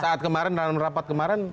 saat kemarin dalam rapat kemarin